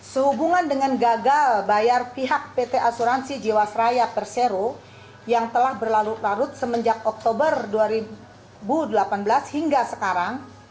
sehubungan dengan gagal bayar pihak pt asuransi jiwasraya persero yang telah berlarut larut semenjak oktober dua ribu delapan belas hingga sekarang